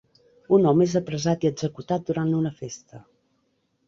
Un home és apressat i executat durant una festa.